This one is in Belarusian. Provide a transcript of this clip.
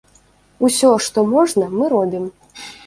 Усё, што можна, мы робім.